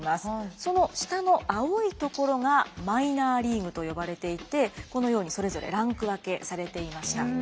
その下の青い所がマイナーリーグと呼ばれていてこのようにそれぞれランク分けされていました。